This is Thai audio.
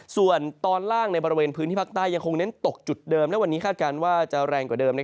ส่วนตอนล่างในบริเวณพื้นที่ภาคใต้ยังคงเน้นตกจุดเดิมและวันนี้คาดการณ์ว่าจะแรงกว่าเดิม